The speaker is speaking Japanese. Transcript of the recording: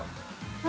◆何？